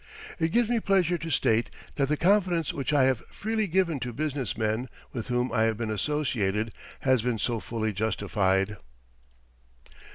It gives me pleasure to state that the confidence which I have freely given to business men with whom I have been associated has been so fully justified.